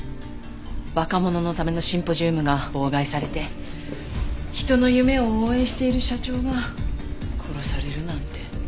若者のためのシンポジウムが妨害されて人の夢を応援している社長が殺されるなんて。